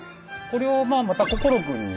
これをまあまた心君に。